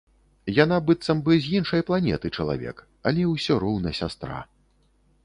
Яна быццам бы з іншай планеты чалавек, але ўсё роўна сястра.